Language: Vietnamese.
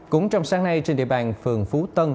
cũng trong sáng nay trên địa bàn phường phú tân